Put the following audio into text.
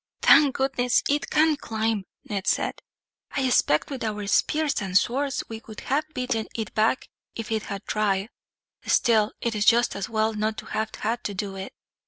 "Thank goodness it can't climb!" Ned said. "I expect, with our spears and swords, we could have beaten it back if it had tried; still, it is just as well not to have had to do it.